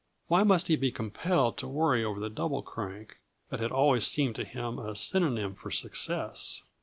Why must he be compelled to worry over the Double Crank, that had always seemed to him a synonym for success?